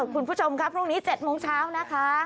คุณผู้ชมครับพรุ่งนี้๗โมงเช้านะคะ